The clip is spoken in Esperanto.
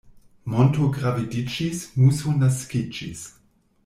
Monto gravediĝis, muso naskiĝis.